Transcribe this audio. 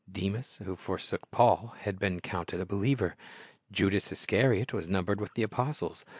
Demas, who forsook Paul, had been counted a believer. Judas Iscariot was numbered with the apostles.